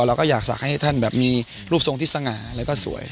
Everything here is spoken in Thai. เราก็อยากฝากให้ท่านแบบมีรูปทรงที่สง่าแล้วก็สวย